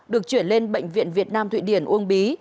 được chuyển lên bệnh viện việt nam thụy điển uông bí